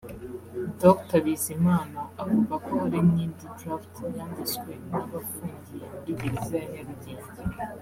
Dr Bizimana avuga ko hari n’indi ‘draft’ yanditswe n’abafungiye muri gereza ya Nyarugenge